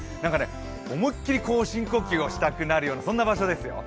思いっきり深呼吸をしたくなるような場所ですよ。